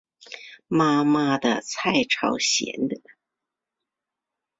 妈妈的菜超咸的